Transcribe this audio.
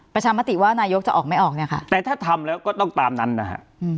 ประชามติว่านายกจะออกไม่ออกเนี่ยค่ะแต่ถ้าทำแล้วก็ต้องตามนั้นนะฮะ